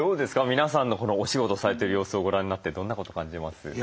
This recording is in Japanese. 皆さんのお仕事されてる様子をご覧になってどんなこと感じます？